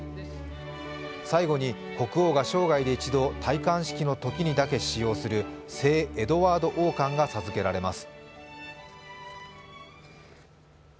最後に、国王が生涯で一度、戴冠式のときだけに使用される聖エドワード王冠が授けられます。